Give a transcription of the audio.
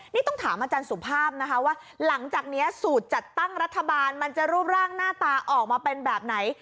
นี่ต้องถามอาจารย์สุภาพนะคะว่าหลังจากนี้สูตรจัดตั้งรัฐบาลมันจะรูปร่างหน้าตาออกมาเป็นแบบไหน